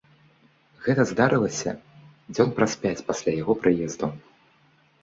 Гэта здарылася дзён праз пяць пасля яго прыезду.